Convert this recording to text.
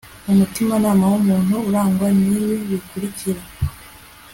umutimanama w'umuntu urangwa n'ibi bikurikira